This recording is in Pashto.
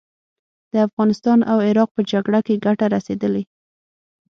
د افغانستان او عراق په جګړه کې ګټه رسېدلې.